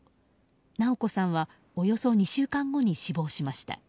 尚子さんはおよそ２週間後に死亡しました。